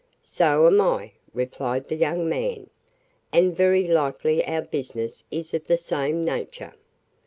"So am I," replied the young man, "and very likely our business is of the same nature."